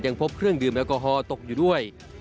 ยังพบเครื่องดื่มแล้วกอฮตกอยู่ด้วย